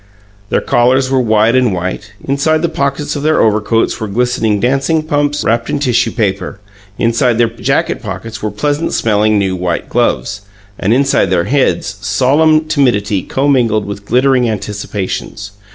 Their collars were wide and white; inside the pockets of their overcoats were glistening dancing pumps, wrapped in tissue paper; inside their jacket pockets were pleasant smelling new white gloves, and inside their heads solemn timidity commingled with glittering anticipations.